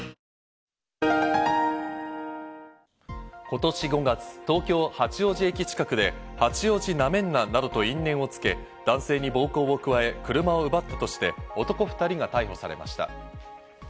今年５月、東京・八王子駅近くで八王子なめんななどと因縁をつけ、男性に暴行を加え、車を奪ったとして男２人が逮捕されました。